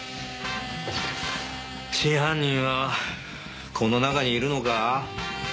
真犯人はこの中にいるのか？